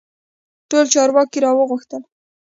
ټول چارواکي را وغوښتل.